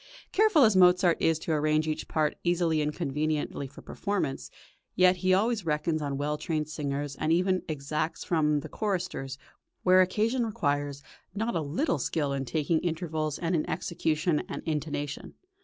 Careful as Mozart is to arrange each part easily and conveniently for performance, yet he always reckons on well trained singers, and even exacts from the choristers, where occasion requires, not a little skill in taking intervals and in execution and intonation.